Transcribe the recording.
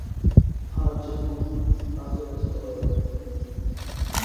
আর জেনও কাজে ব্যস্ত হয়ে পড়ে।